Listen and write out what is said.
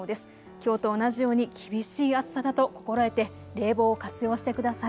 きょうと同じように厳しい暑さだと心得て冷房を活用してください。